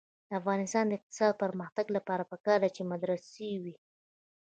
د افغانستان د اقتصادي پرمختګ لپاره پکار ده چې مدرسه وي.